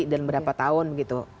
dan berapa tahun gitu